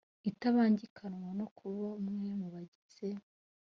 itabangikanywa no kuba umwe mu bagize